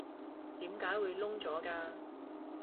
點解會燶咗㗎？